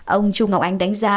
ông trung ngọc anh đánh giá